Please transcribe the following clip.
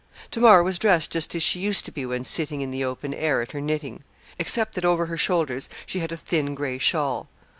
Tamar was dressed just as she used to be when sitting in the open air at her knitting, except that over her shoulders she had a thin gray shawl.